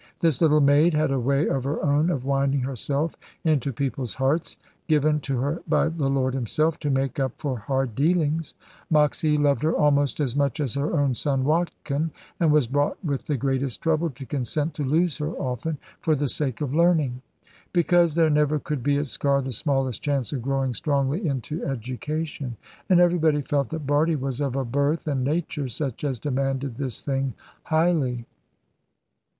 This little maid had a way of her own of winding herself into people's hearts, given to her by the Lord Himself, to make up for hard dealings. Moxy loved her almost as much as her own son Watkin, and was brought with the greatest trouble to consent to lose her often, for the sake of learning. Because there never could be at Sker the smallest chance of growing strongly into education. And everybody felt that Bardie was of a birth and nature such as demanded this thing highly.